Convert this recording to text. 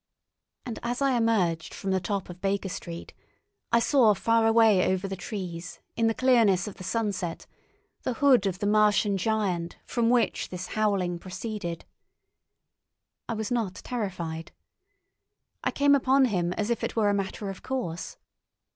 And as I emerged from the top of Baker Street, I saw far away over the trees in the clearness of the sunset the hood of the Martian giant from which this howling proceeded. I was not terrified. I came upon him as if it were a matter of course.